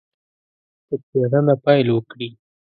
په څېړنه پیل وکړي.